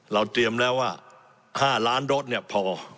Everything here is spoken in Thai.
เราเตรียมแล้วว่า๕ล้านโดสเนี่ยพอ